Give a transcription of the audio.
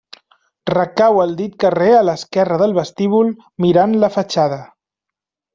Recau al dit carrer a l'esquerra del vestíbul, mirant la fatxada.